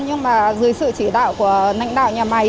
nhưng mà dưới sự chỉ đạo của lãnh đạo nhà máy